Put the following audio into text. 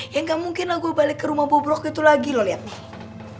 ya gak mungkin lah gue balik ke rumah bobrok itu lagi lo liat nih